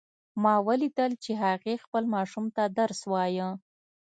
ما ولیدل چې هغې خپل ماشوم ته درس وایه